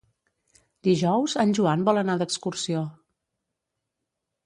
Dijous en Joan vol anar d'excursió.